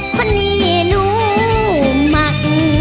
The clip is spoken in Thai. คนนี้หนูหมัก